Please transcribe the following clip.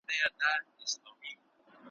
له آسمانه چي به ولیدې کوترو ,